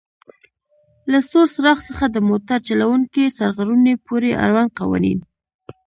له سور څراغ څخه د موټر چلوونکي سرغړونې پورې آړوند قوانین: